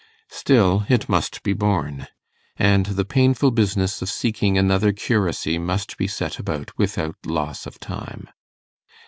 Still, it must be borne; and the painful business of seeking another curacy must be set about without loss of time.